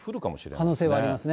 可能性はありますね。